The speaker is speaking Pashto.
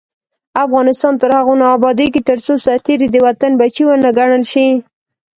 افغانستان تر هغو نه ابادیږي، ترڅو سرتیری د وطن بچی ونه ګڼل شي.